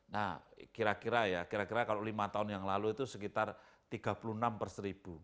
nah kira kira ya kira kira kalau lima tahun yang lalu itu sekitar tiga puluh enam per seribu